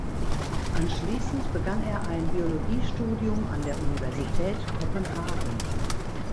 Anschließend begann er ein Biologiestudium an der Universität Kopenhagen.